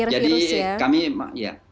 jadi carrier virus ya